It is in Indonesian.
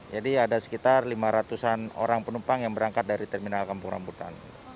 jadi ada sekitar lima ratusan orang penumpang yang berangkat dari terminal kampung rambutan